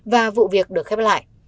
và vụ việc được khép lại